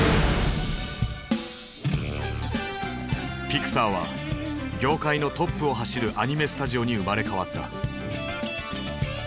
ピクサーは業界のトップを走るアニメスタジオに生まれ変わった。